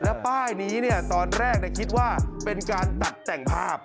แล้วป้ายนี้ตอนแรกคิดว่าเป็นการตัดแต่งภาพ